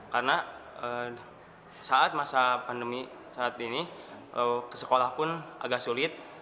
karena saat masa pandemi saat ini ke sekolah pun agak sulit